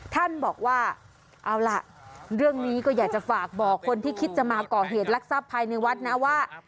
ท่านบอกว่าเอาล่ะเรื่องนี้ก็อยากจะฝากบอกคนที่คิดจะมาก่อเหตุลักษัพภายในวัดนะว่า